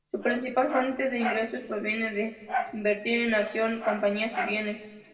Su principal fuente de ingresos proviene de invertir en acciones, compañías y bienes.